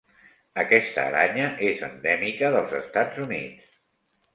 Aquesta aranya és endèmica dels Estats Units.